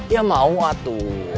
ya mau atu